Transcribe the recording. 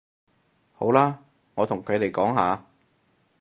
好啦，我同佢哋講吓